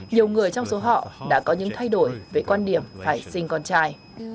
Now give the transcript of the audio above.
nhiều người trong số họ đã có những thay đổi về quan điểm phải sinh con trai